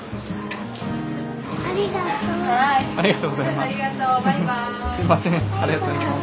ありがとうございます。